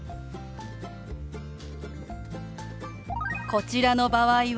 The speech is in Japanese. こちらの場合は？